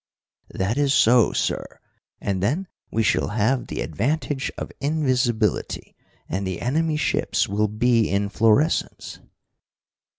"That is so, sir, and then we shall have the advantage of invisibility, and the enemy ships will be in fluorescence."